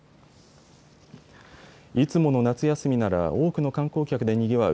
いつもの夏休みなら多くの観光客でにぎわう